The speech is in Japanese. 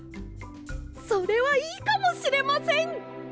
それはいいかもしれません！